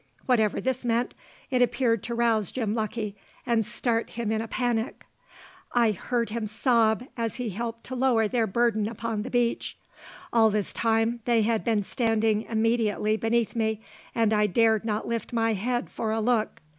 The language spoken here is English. Whatever this meant, it appeared to rouse Jim Lucky, and start him in a panic. I heard him sob as he helped to lower their burden upon the beach. All this time they had been standing immediately beneath me, and I dared not lift my head for a look.